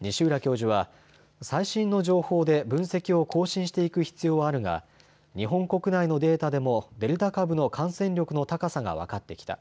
西浦教授は最新の情報で分析を更新していく必要はあるが日本国内のデータでもデルタ株の感染力の高さが分かってきた。